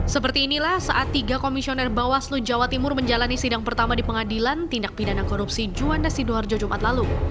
seperti inilah saat tiga komisioner bawaslu jawa timur menjalani sidang pertama di pengadilan tindak pidana korupsi juanda sidoarjo jumat lalu